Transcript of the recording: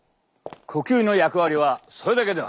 呼吸の役割はそれだけではない。